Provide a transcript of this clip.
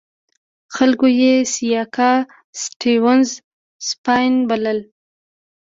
خلکو یې سیاکا سټیونز سپیان بلل.